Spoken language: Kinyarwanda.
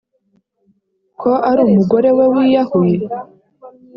ko ar’umugorewe wiyahuye?